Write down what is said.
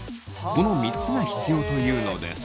この３つが必要というのです。